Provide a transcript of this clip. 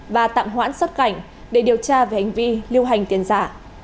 và tạm hoãn xuất cảnh để điều tra về hành vi lưu hành tiền giả